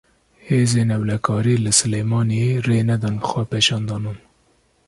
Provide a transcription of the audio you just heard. Hêzên Ewlekarî, li Silêmaniyê rê nedan xwepêşandanan